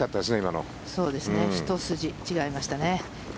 ひと筋違いましたね。